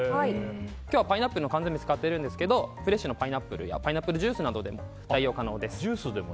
今日はパイナップルの缶詰を使ってるんですがフレッシュなパイナップルやパイナップルジュースなどで代用可能です。